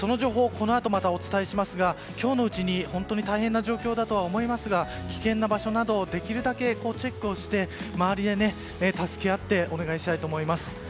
このあとお伝えしますが今日のうちに本当に大変な状況だと思いますが危険な場所などできるだけチェックをして周りで助け合ってお願いしたいと思います。